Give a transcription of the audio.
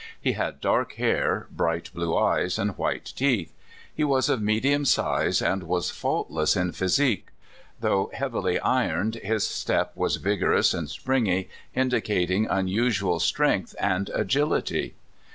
He had dark hair, bright blue eyes, and white teeth. He was of me dium size, and was faultless \n fhysique. Though heavily ironed, his step was vigorous and springy, indicating unusual strength and agility.